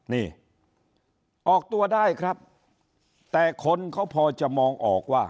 นี่ออกตัวได้ครับแต่คนเขาพอจะมองออกว่า